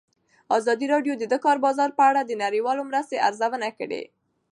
ازادي راډیو د د کار بازار په اړه د نړیوالو مرستو ارزونه کړې.